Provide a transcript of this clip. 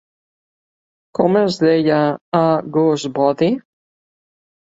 Com es deia a Whose Body?